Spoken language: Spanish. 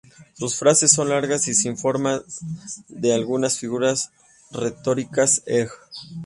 Sus frases son largas y sin forma, de algunas figuras retóricas, e.g.